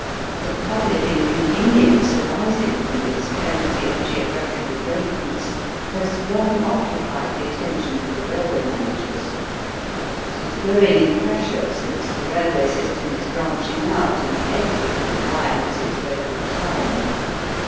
The pubHc inconvenience arising from this penalty of geographical greatness has long occupied the attention of the railway mana Digitized by VjOOQIC 160 EAST BY WEST. gers. It is growing in pressure since the railway system is branching out and every little line has its local time.